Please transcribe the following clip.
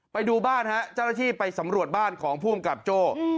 ไปดูบ้านฮะเจ้าหน้าที่ไปสำรวจบ้านของผู้กำกับโจ้